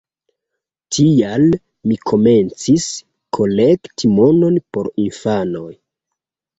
Tial mi komencis kolekti monon por infanoj.